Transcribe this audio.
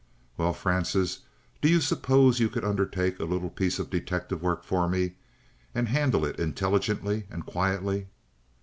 "Well, Francis, do you suppose you could undertake a little piece of detective work for me, and handle it intelligently and quietly?"